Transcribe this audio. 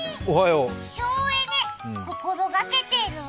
省エネ、心がけてる？